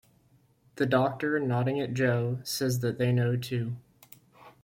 The Doctor, nodding at Jo, says that they know too.